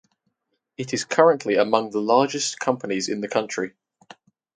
It is currently among the largest companies in the country.